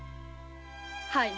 はい。